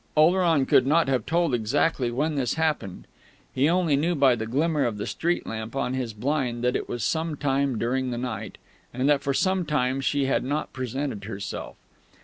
Oleron could not have told exactly when this happened; he only knew by the glimmer of the street lamp on his blind that it was some time during the night, and that for some time she had not presented herself.